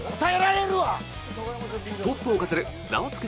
トップを飾る「ザワつく！